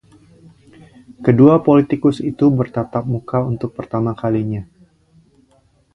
Kedua politikus itu bertatap muka untuk pertama kalinya.